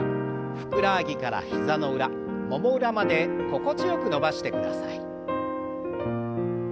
ふくらはぎから膝の裏もも裏まで心地よく伸ばしてください。